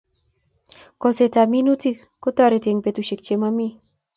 Kolset ab minutik ko tareti eng petushek che mami